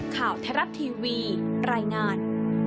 ข่าวแทรฟทีวีรายงาน